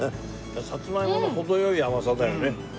さつまいもの程良い甘さだよね。